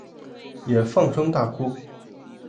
也放声大哭